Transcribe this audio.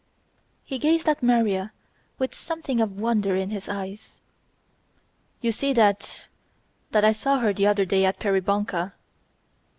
He gazed at Maria with something of wonder in his eyes. "You see that ... that I saw her the other day at Peribonka."